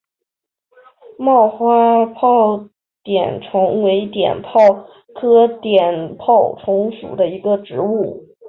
棒花碘泡虫为碘泡科碘泡虫属的动物。